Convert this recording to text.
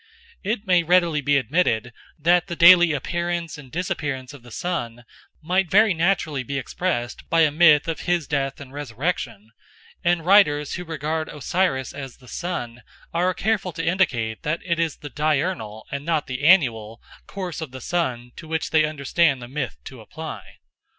It may readily be admitted that the daily appearance and disappearance of the sun might very naturally be expressed by a myth of his death and resurrection; and writers who regard Osiris as the sun are careful to indicate that it is the diurnal, and not the annual, course of the sun to which they understand the myth to apply.